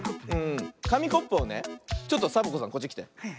かみコップをねちょっとサボ子さんこっちきて。